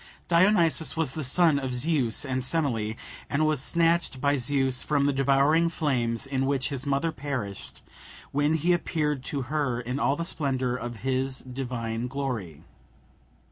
Dionysus was the son of Zeus and Semele, and was snatched by Zeus from the devouring flames in which his mother perished, when he appeared to her in all the splendour of his divine glory.